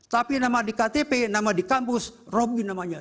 tapi nama di ktp nama di kampus robin namanya